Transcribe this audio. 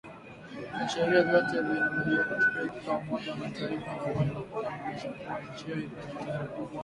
Viashiria vyote vinavyopatikana kwetu katika Umoja wa Mataifa na Umoja wa Afrika vinaonyesha kuwa nchi iko kwenye hatari kubwa